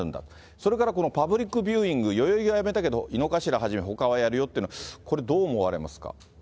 それからこのパブリックビューイング、代々木はやめたけど、井の頭はじめ、ほかはやるよっていうのは、これはどう思われますか？